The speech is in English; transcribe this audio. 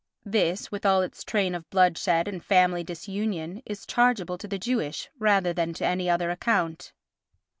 This, with all its train of bloodshed and family disunion, is chargeable to the Jewish rather than to any other account.